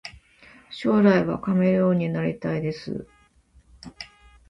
将来はカメレオンになりたいです